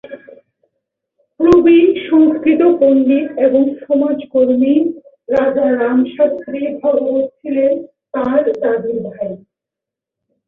প্রবীণ সংস্কৃত পণ্ডিত এবং সমাজকর্মী রাজারাম শাস্ত্রী ভাগবত ছিলেন তাঁর দাদীর ভাই।